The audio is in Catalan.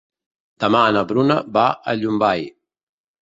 Demà na Bruna va a Llombai.